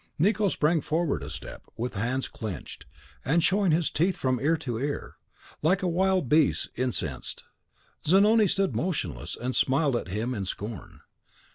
Nicot sprang forward a step, with hands clenched, and showing his teeth from ear to ear, like a wild beast incensed. Zanoni stood motionless, and smiled at him in scorn.